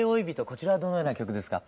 こちらはどのような曲ですか？